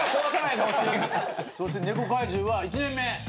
そして猫怪獣は１年目。